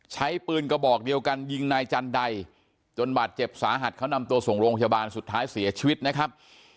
ใช้ปืนกระบอกเดียวกันยิงนายจันไดจนบาดเจ็บสาหัสเขานำตัวส่งโรงพยาบาลสุดท้ายเสียชีวิตนะครับ